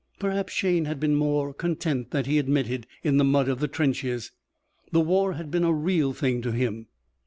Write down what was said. Perhaps Shayne had been more content than he admitted in the mud of the trenches. The war had been a real thing to him.